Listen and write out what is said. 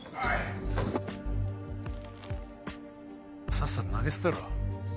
さっさと投げ捨てろ。